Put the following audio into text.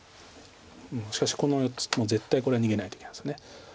しかしこの４つも絶対これは逃げないといけないです。